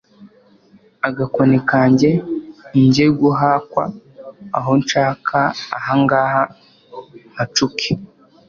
agakoni kanjye njye guhakwa aho nshaka ahangaha mpacuke